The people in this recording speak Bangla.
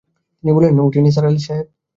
তিনি বললেন, উঠি নিসার আলি সাহেব?